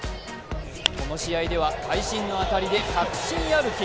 この試合では会心の当たりで確信歩き。